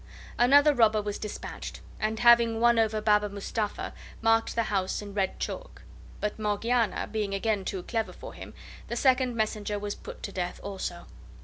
Another robber was dispatched, and, having won over Baba Mustapha, marked the house in red chalk; but Morgiana being again too clever for them, the second messenger was put to death also.